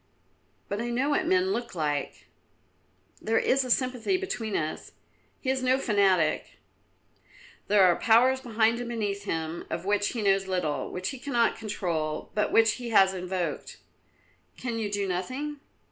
"But I know what men look like; there is a sympathy between us; he is no fanatic." "There are powers behind and beneath him of which he knows little, which he cannot control, but which he has invoked." "Can you do nothing?"